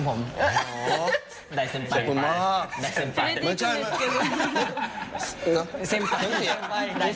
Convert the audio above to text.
ขอบคุณครับ